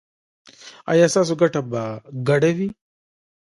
ایا ستاسو ګټه به ګډه وي؟